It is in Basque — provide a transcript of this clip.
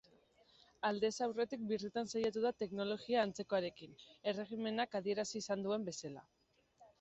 Aldez aurretik birritan saiatu da teknologia antzekoarekin, erregimenak adierazi izan duen bezala.